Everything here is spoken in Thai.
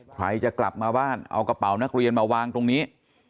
ใครจะกลับมาบ้านเอากระเป๋านักเรียนมาวางตรงนี้